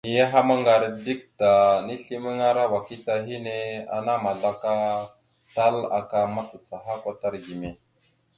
Niyaham ŋgar dik ta, nislimaŋara wakita hinne, ana àmazlaka tal aka macacaha kwatar gime.